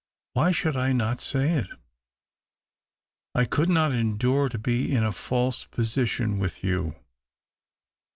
" Why should I not say it ? I could not endure to be in a false position with you."